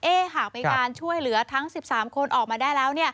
หากมีการช่วยเหลือทั้ง๑๓คนออกมาได้แล้ว